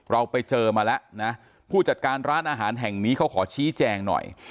เราไปเจอมาแล้วนะผู้จัดการร้านอาหารแห่งนี้เขาขอชี้แจงหน่อย